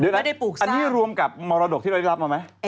ไม่ได้ปลูกสร้างอันนี้รวมกับมรดกที่เราได้รับมาไหม